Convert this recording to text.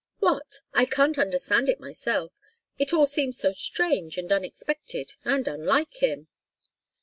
"What? I can't understand it, myself it all seems so strange and unexpected, and unlike him."